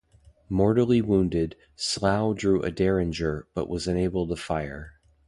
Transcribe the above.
Mortally wounded, Slough drew a derringer but was unable to fire.